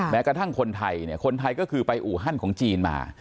แม้กระทั่งคนไทยเนี่ยคนไทยก็คือไปอูฮันของจีนมา